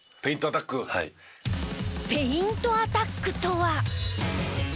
ペイントアタックとは。